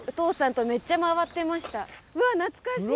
うわ懐かしい。